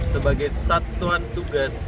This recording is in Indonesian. sebagai satuan tugas